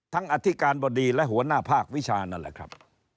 อธิการบดีและหัวหน้าภาควิชานั่นแหละครับ